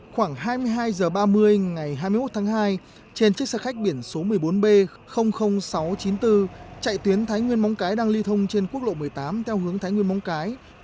khoảng hai mươi hai h ba mươi ngày hai mươi một tháng hai trên chiếc xe khách biển số một mươi bốn b sáu trăm chín mươi bốn chạy tuyến thái nguyên móng cái đang lưu thông trên quốc lộ một mươi tám theo hướng thái nguyên móng cái